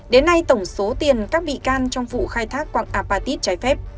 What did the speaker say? đến nay tổng số tiền các bị can trong vụ khai thác quạng apatit trái phép